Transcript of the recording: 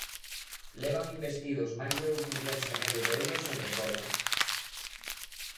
Levan investidos máis de dous millóns e medio de euros en reformas.